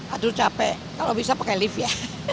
aduh capek kalau bisa pakai lift ya